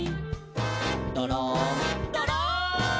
「どろんどろん」